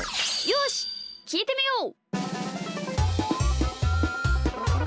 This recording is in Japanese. よしきいてみよう！